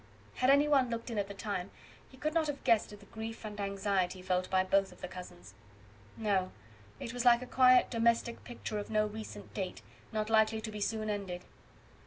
Had any one looked in at the time, he could not have guessed at the grief and anxiety felt by both of the cousins. No; it was like a quiet domestic picture of no recent date, not likely to be soon ended.